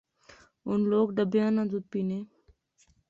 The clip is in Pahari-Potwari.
ہُن لوک ڈبیاں نا دُد پینے